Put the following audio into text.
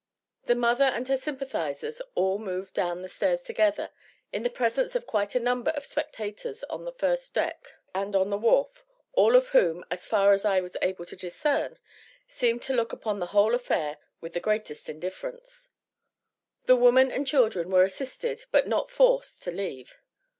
The mother and her sympathizers all moved down the stairs together in the presence of quite a number of spectators on the first deck and on the wharf, all of whom, as far as I was able to discern, seemed to look upon the whole affair with the greatest indifference. The woman and children were assisted, but not forced to leave.